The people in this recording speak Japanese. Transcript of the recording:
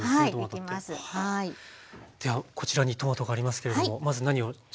ではこちらにトマトがありますけれどもまず何をしましょうか。